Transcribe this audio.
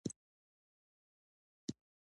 خبر شوم پلار یې کوزده ورته کوي.